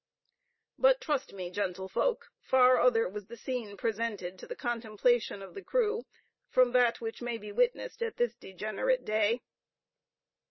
But trust me, gentlefolk, far other was the scene presented to the contemplation of the crew from that which may be witnessed at this degenerate day.